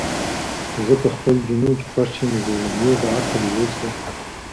زه په خپل جنون کي خوښ یم زولنې د عقل یوسه